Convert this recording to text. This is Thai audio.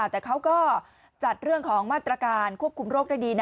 แต่เขาก็จัดเรื่องของมาตรการควบคุมโรคได้ดี